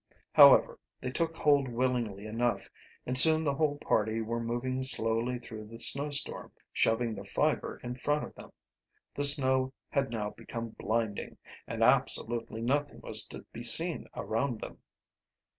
However, they took hold willingly enough, and soon the whole party were moving slowly through the snowstorm, shoving the Fiver in front of them. The snow had now become blinding, and absolutely nothing was to be seen around them.